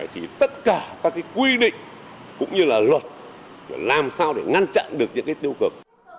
thì tất cả các quy định cũng như là luật làm sao để ngăn chặn được những cái tiêu cực